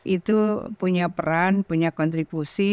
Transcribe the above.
itu punya peran punya kontribusi